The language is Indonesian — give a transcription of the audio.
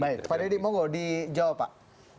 baik pak deddy mau gak dijawab pak